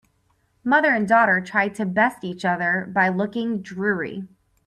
Mother and daughter try to best each other by looking dreary.